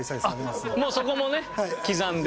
もうそこもね刻んで。